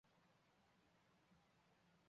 张凤翙人。